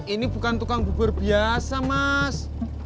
ini bukan tukang bubur biasa mas